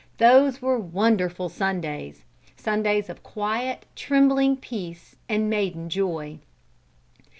Those were wonderful Sundays Sundays of quiet, trembling peace and maiden joy.